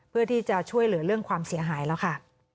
เพื่อที่จะช่วยเหลือเรื่องความเสียหายแล้วค่ะ